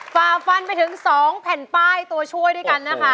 ฝ่าฟันไปถึง๒แผ่นป้ายตัวช่วยด้วยกันนะคะ